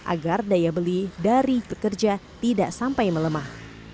agar daya beli dari pekerja tidak sampai melemah